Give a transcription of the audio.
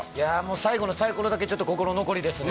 最後のさいころだけちょっと心残りですね。